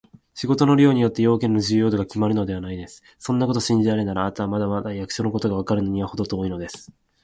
仕事の量によって、用件の重要度がきまるのではないのです。そんなことを信じられるなら、あなたはまだまだ役所のことがわかるのにはほど遠いのです。